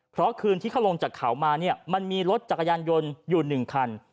เพราะคืนที่เขาลงจากเขามาเนี่ยมันมีรถจักรยานยนต์อยู่๑คัน